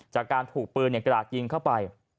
จากการถูกปืนกระดาษยิงเข้าไป